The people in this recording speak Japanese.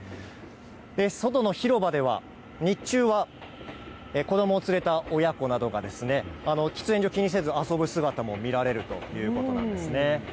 外の広場では、日中は子どもを連れた親子などが、喫煙所気にせず遊ぶ姿も見られるということなんですね。